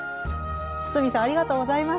堤さんありがとうございました。